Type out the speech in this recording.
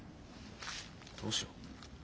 どうしよう？